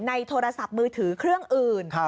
โทรศัพท์มือถือเครื่องอื่น